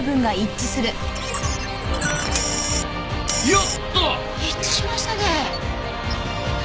やった！一致しましたね。